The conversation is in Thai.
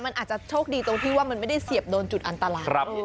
มันอาจจะโชคดีตรงที่ว่ามันไม่ได้เสียบโดนจุดอันตราย